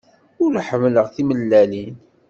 Ur ḥemmleɣ timellalin.